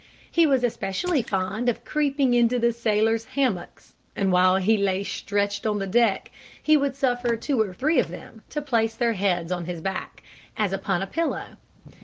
He was especially fond of creeping into the sailors' hammocks; and while he lay stretched on the deck, he would suffer two or three of them to place their heads on his back, as upon a pillow.